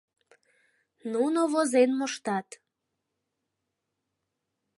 Нуно возен моштат...